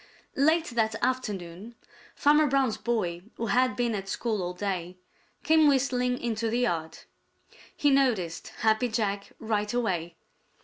Late that afternoon Farmer Brown's boy, who had been at school all day, came whistling into the yard. He noticed Happy Jack right away.